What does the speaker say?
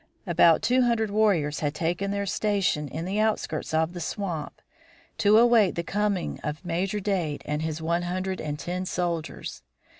About two hundred warriors had taken their station in the outskirts of the swamp to await the coming of Major Dade and his one hundred and ten soldiers.